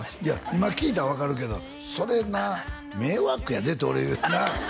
今聞いたら分かるけどそれな迷惑やでって俺なあ？